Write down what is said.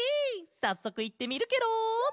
さっそくいってみるケロ。